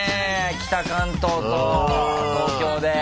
北関東と東京で。